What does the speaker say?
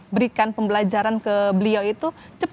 berikan pembelajaran ke beliau itu